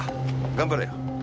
頑張れよ。